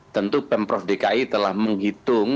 tentu pemprov dki telah menghitung